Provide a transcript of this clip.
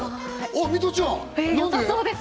ミトちゃん！何で？